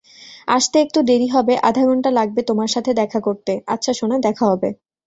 আসতে একটু দেরী হবে আধাঘন্টা লাগবে তোমার সাথে দেখা করতে আচ্ছা সোনা দেখা হবে।